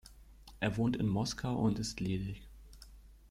Er wohnt in Moskau und ist ledig.